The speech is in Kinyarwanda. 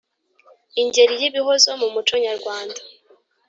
ingeri y’ibihozo mu muco nyarwanda